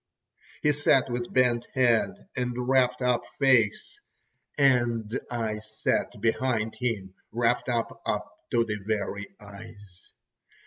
He sat with bent head and wrapped up face, and I sat behind him wrapped up to the very eyes.